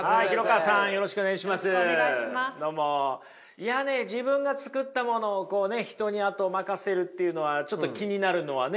いやね自分が作ったものをこうね人にあとを任せるっていうのはちょっと気になるのはね